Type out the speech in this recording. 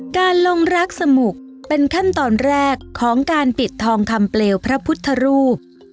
การลงรักสมุกเป็นขั้นตอนแรกของการปิดทองคำเปลวพระพุทธรูป